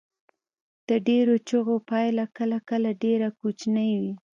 د ډیرو چیغو پایله کله کله ډیره کوچنۍ وي.